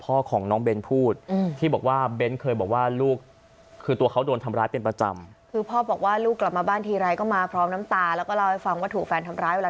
พ่อของน้องเบนห์พูดอืมที่บอกว่าเบนเป็น